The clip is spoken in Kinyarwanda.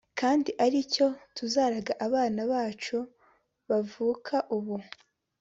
kandi ari cyo tuzaraga abana bacu bavuka ubu